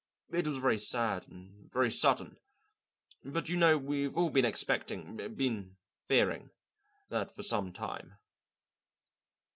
It was very sad and very sudden. But you know we've all been expecting been fearing that for some time."